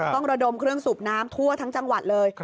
ระดมเครื่องสูบน้ำทั่วทั้งจังหวัดเลย